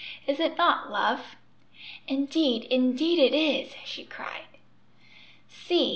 "Is it not, love!" "Indeed, indeed it is!" she cried. "See!